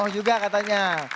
nah moh juga katanya